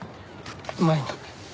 前に。